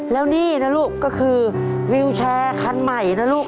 แล้วนี่นะลูกก็คือวิวแชร์คันใหม่นะลูก